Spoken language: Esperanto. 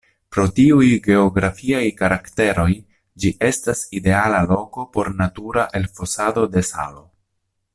Pro tiuj geografiaj karakteroj, ĝi estas ideala loko por natura elfosado de salo.